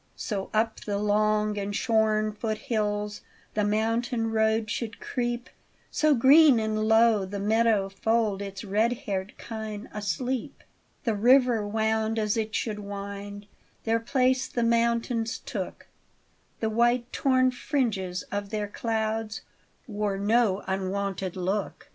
So up the long and shorn foot hills The mountain road should creep; So, green and low, the meadow fold Its red haired kine asleep. The river wound as it should wind; Their place the mountains took; The white torn fringes of their clouds Wore no unwonted look.